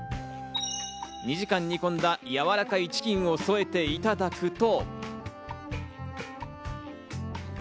２時間、煮込んだやわらかいチキンを添えていただくと。